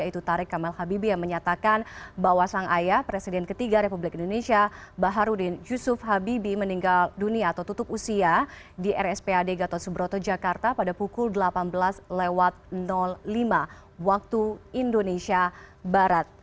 yaitu tarik kamal habibie yang menyatakan bahwa sang ayah presiden ketiga republik indonesia baharudin yusuf habibie meninggal dunia atau tutup usia di rspad gatot subroto jakarta pada pukul delapan belas lima waktu indonesia barat